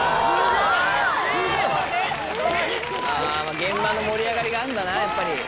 現場の盛り上がりがあるんだなやっぱり。